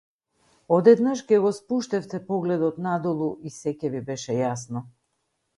Одеднаш ќе го спуштевте погледот надолу и сѐ ќе ви беше јасно.